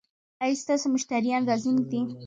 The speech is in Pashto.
ایا ستاسو مشتریان راضي نه دي؟